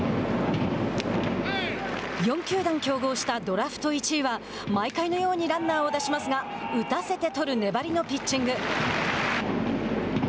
４球団競合したドラフト１位は毎回のようにランナーを出しますが打たせて取る粘りのピッチング。